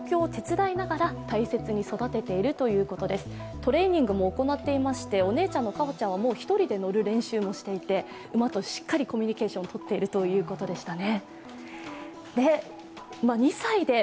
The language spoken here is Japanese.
トレーニングも行っていまして、お姉ちゃんの香歩ちゃんは１人で乗る練習もしていて、馬としっかりコミュニケーションとっているということでしたね。